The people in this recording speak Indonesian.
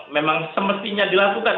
memang semestinya dilakukan